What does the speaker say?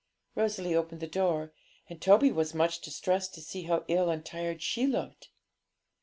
Rosalie opened the door, and Toby was much distressed to see how ill and tired she looked.